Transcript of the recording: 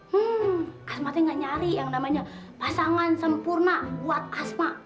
hmm asmati nggak nyari yang namanya pasangan sempurna buat asma